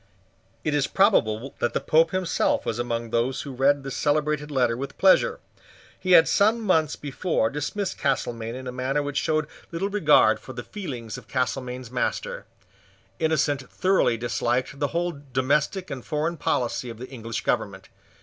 It is probable that the Pope himself was among those who read this celebrated letter with pleasure. He had some months before dismissed Castelmaine in a manner which showed little regard for the feelings of Castelmaine's master. Innocent thoroughly disliked the whole domestic and foreign policy of the English government.